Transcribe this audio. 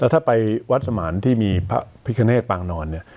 แล้วถ้าไปวัฒนมารห์ที่มีพระพิกระเนตรตรรางนอน